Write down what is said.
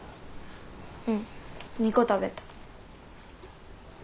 うん２個食べた。